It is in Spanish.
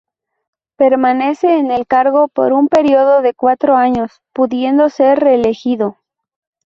Permanece en el cargo por un período de cuatro años, pudiendo ser reelegido.